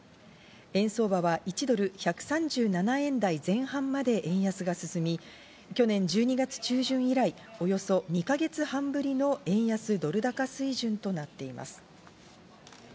円相場は１ドル＝１３７円台前半まで円安が進み、去年１２月中旬以来、およそ２か月半ぶりの円安ドル高水準となっています。